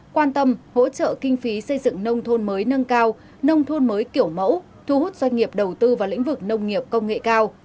quan tâm hỗ trợ kinh phí xây dựng nông thôn mới nâng cao nông thôn mới kiểu mẫu thu hút doanh nghiệp đầu tư vào lĩnh vực nông nghiệp công nghệ cao